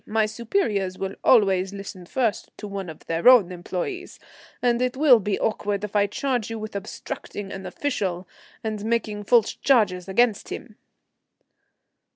My superiors will always listen first to one of their own employés, and it will be awkward if I charge you with obstructing an official and making false charges against him."